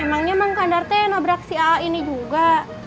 emangnya mang kandarte yang nabrak si aa ini juga